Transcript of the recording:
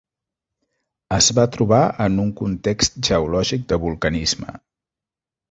Es va trobar en un context geològic de vulcanisme.